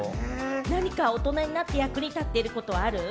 何か大人になって役に立っていることはある？